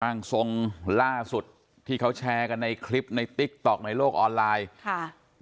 ร่างทรงล่าสุดที่เขาแชร์กันในคลิปในติ๊กต๊อกในโลกออนไลน์ค่ะ